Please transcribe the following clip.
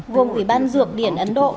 gồm ủy ban dược điển ấn độ